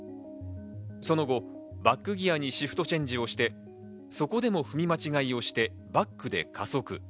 その後、バックギアにシフトチェンジをしてそこでも踏み間違いをしてバックで加速。